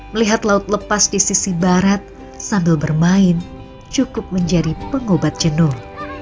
melihat laut lepas di sisi barat sambil bermain cukup menjadi pengobat jenuh